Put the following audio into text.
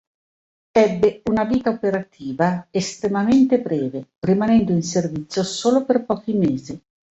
Ebbe una vita operativa estremamente breve, rimanendo in servizio solo per pochi mesi.